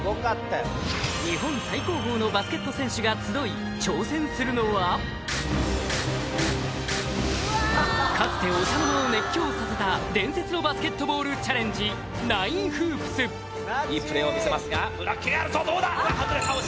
日本最高峰のバスケット選手が集い挑戦するのはかつてお茶の間を熱狂させた伝説のバスケットボールチャレンジナインフープスいいプレーを見せますがはずれた惜し